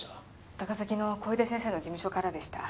高崎の小出先生の事務所からでした。